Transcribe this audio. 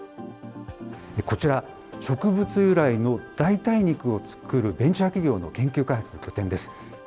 こちら、植物由来の代替肉を作るベンチャー企業の研究開発の拠点です。